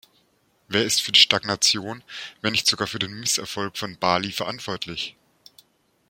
Wer ist für die Stagnation, wenn nicht sogar für den Misserfolg von Bali verantwortlich?